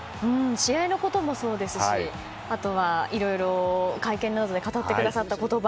試合のこともそうですしあとは、いろいろ会見などで語ってくださった言葉。